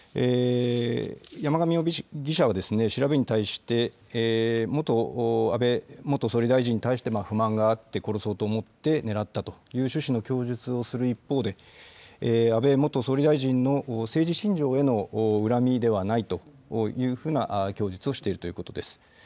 山上容疑者は調べに対して、安倍元総理大臣に対して不満があって殺そうと思って狙ったという趣旨の供述をする一方で、安倍元総理大臣の政治信条への恨みではないというふうな供述をしているということです。